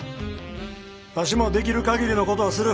ワシもできるかぎりのことをする。